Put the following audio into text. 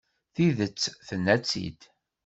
Tidet, tenna-tt-id.